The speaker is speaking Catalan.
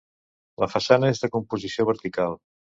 La façana és de composició vertical.